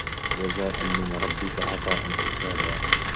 جَزَاءً مِنْ رَبِّكَ عَطَاءً حِسَابًا